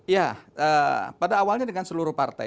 ya pada awalnya dengan seluruh partai